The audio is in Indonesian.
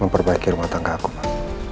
memperbaiki rumah tangga aku pak